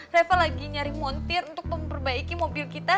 reva lagi nyari montir untuk memperbaiki mobil kita